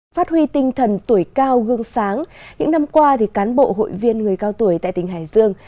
phát huy tinh thần tuổi cao gương sáng những năm qua cán bộ hội viên người cao tuổi tại tỉnh hải dương